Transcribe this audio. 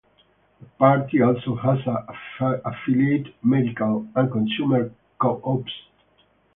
The party also has affiliate medical and consumer co-ops.